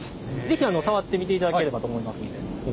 是非あの触ってみていただければと思いますんで。